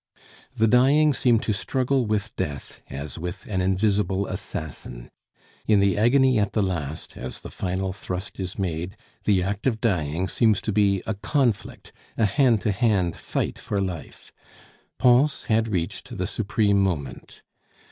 The dying seem to struggle with Death as with an invisible assassin; in the agony at the last, as the final thrust is made, the act of dying seems to be a conflict, a hand to hand fight for life. Pons had reached the supreme moment.